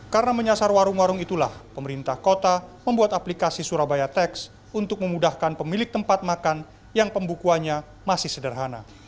karena menyasar warung warung itulah pemerintah kota membuat aplikasi surabaya tax untuk memudahkan pemilik tempat makan yang pembukuannya masih sederhana